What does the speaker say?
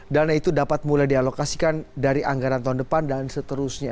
dana itu dapat mulai dialokasikan dari anggaran tahun depan dan seterusnya